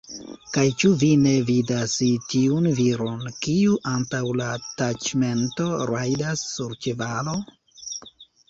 Kaj ĉu vi ne vidas tiun viron, kiu antaŭ la taĉmento rajdas sur ĉevalo?